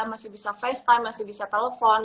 masih bisa facetime masih bisa telepon